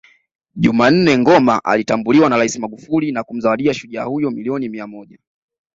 Jumannne Ngoma alitambuliwa na Rais Magufuli na kumzawadia shujaa huyo milioni mia Moja